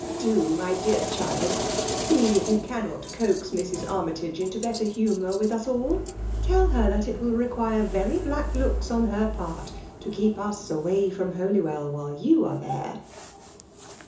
Do, my dear child, see if you cannot coax Mrs. Armytage into better humour with us all ? Tell her that it will require very black looks on her part to keep us away from Holywell while you are there."